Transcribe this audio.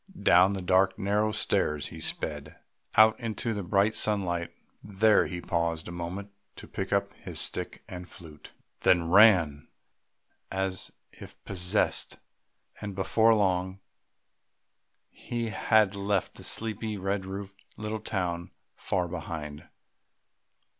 Down the dark narrow stairs he sped, out into the bright sunlight; there he paused a moment to pick up his stick and flute, then ran as if possessed; and before long he had left the sleepy red roofed little town far behind....